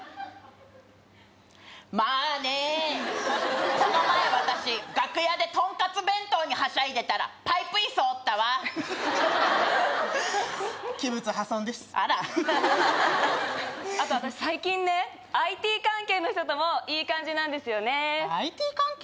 まぁねーこの前私楽屋で豚カツ弁当にはしゃいでたらパイプ椅子折ったわ器物破損ですあらあと私最近ねＩＴ関係の人ともいい感じなんですよねＩＴ関係？